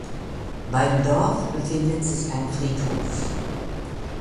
Beim Dorf befindet sich ein Friedhof.